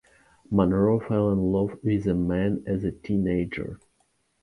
Monroe fell in love with a man as a teenager.